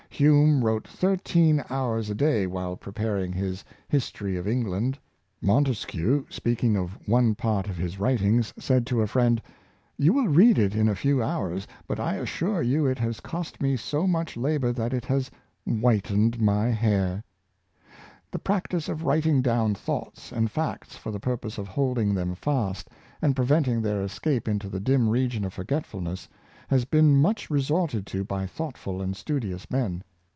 Hume wrote thirteen hours a day while pre paring his '^ History of England." Montesquien, speak ing of one part of his writings, said to a friend, " You will read it in a few hours; but I assure you it has cost me so much labor that it has whitened my hair."" The practice of writing down thoughts and facts for the purpose of holding them fast and preventing their escape into the dim region of forgetfulness, has been much resorted to by thoughtful and studious men.